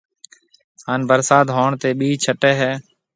ھان ڀرسات ھوڻ تيَ ٻِج ڇٽَي ھيَََ